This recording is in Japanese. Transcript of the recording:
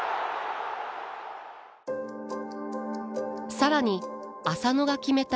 更に浅野が決めた